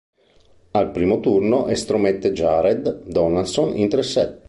Al primo turno estromette Jared Donaldson in tre set.